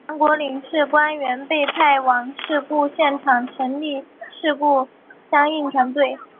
沈阳的韩国领事官员被派往事故现场成立事故相应团队。